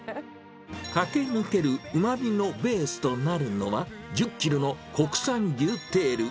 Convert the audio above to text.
駆け抜けるうまみのベースとなるのは、１０キロの国産牛テール。